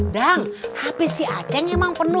dang hp si acing emang penuh